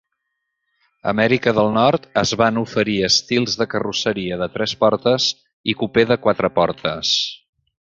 A Amèrica del Nord es van oferir estils de carrosseria de tres portes i cupè de quatre portes.